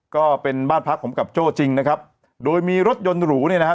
ก็เป็นบ้านพักผมกับโจ้จริงนะครับโดยมีรถยนต์หรูเนี่ยนะฮะ